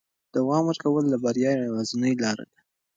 دوام ورکول د بریا یوازینۍ لاره ده.